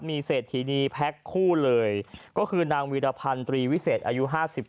มีเศรษฐีนีแพ็คคู่เลยก็คือนางวีรพันธ์ตรีวิเศษอายุ๕๗